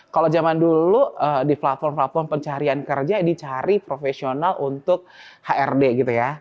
kalau zaman dulu di platform platform pencarian kerja dicari profesional untuk hrd gitu ya